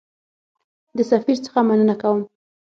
د سفیر څخه مننه کوم.